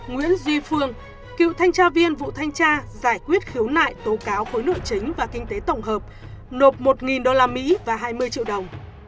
nguyễn duy phương cựu thanh tra viên vụ thanh tra giải quyết khiếu nại tố cáo khối nội chính và kinh tế tổng hợp nộp một usd và hai mươi triệu đồng